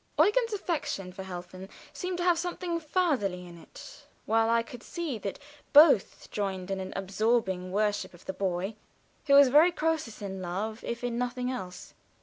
Eugen's affection for Helfen seemed to have something fatherly in it, while I could see that both joined in an absorbing worship of the boy, who was a very Croesus in love if in nothing else.